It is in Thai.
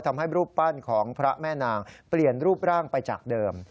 ทำให้รูปปั้นของพระแม่นางเปลี่ยนรูปร่างไปจากเดิม